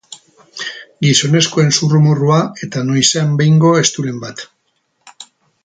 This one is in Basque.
Gizonezkoen zurrumurrua eta noizean behingo eztulen bat.